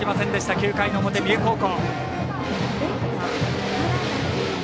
９回の表、三重高校。